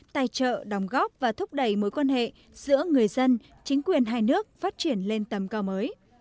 tài trợ đồng góp và thúc đẩy mối quan hệ giữa người dân chính quyền hai nước phát triển lên tầm cao mới